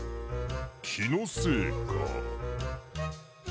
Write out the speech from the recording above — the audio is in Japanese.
きのせいか。